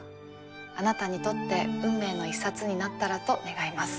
あなたにとって運命の一冊になったらと願います。